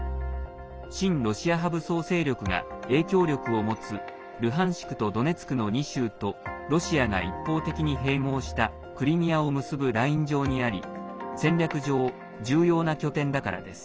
親ロシア派武装勢力が影響力を持つルハンシクとドネツクの２州とロシアが一方的に併合したクリミアを結ぶライン上にあり戦略上重要な拠点だからです。